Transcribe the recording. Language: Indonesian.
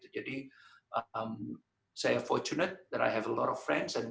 jadi saya beruntung karena saya memiliki banyak teman